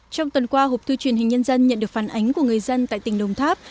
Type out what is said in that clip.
trong tuần qua hộp thư truyền hình nhân dân nhận được phản ánh của người dân tại tỉnh đồng tháp